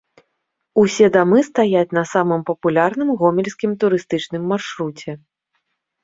Усе дамы стаяць на самым папулярным гомельскім турыстычным маршруце.